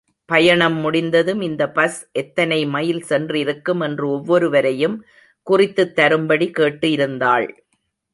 பயணம் முடிந்ததும் இந்த பஸ் எத்தனை மைல் சென்றிருக்கும் என்று ஒவ்வொருவரையும் குறித்துத் தரும்படி கேட்டு இருந்தாள்.